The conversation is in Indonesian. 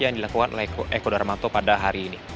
yang dilakukan oleh eko darmanto pada hari ini